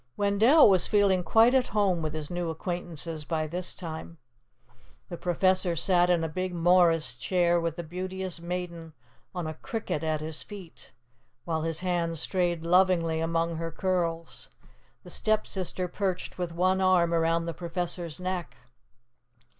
Wendell was feeling quite at home with his new acquaintances by this time. The Professor sat in a big Morris chair with the Beauteous Maiden on a cricket at his feet, while his hand strayed lovingly among her curls. The Stepsister perched with one arm around the Professor's neck.